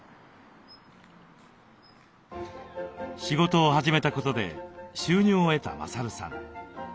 仕事を始めたことで収入を得た勝さん。